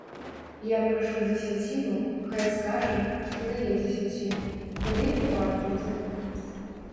Я прашу дзесяціну, хай скажа, што дае дзесяціну, тады і лад будзе.